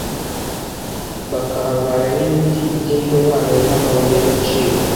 bakahavana n'ibiti by'indobanure n'amabuye y'agaciro